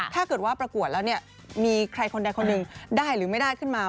ถ้าเกิดว่าประกวดแล้วเนี่ยมีใครคนใดคนหนึ่งได้หรือไม่ได้ขึ้นมา